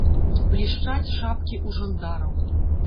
Блішчаць шапкі ў жандараў.